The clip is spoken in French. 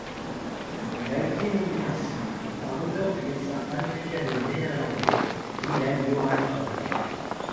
Il a été nommé ainsi en l'honneur du médecin américano-néerlandais Willem Johan Kolff.